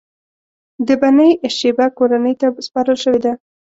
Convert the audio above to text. د بنی شیبه کورنۍ ته سپارل شوې ده.